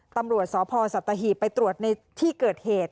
ตำรวจสพสัตหีบไปตรวจในที่เกิดเหตุ